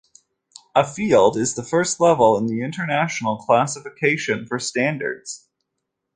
A "field" is the first level in the International Classification for Standards.